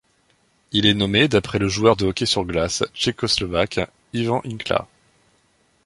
Il est nommé d'après le joueur de hockey sur glace tchécoslovaque Ivan Hlinka.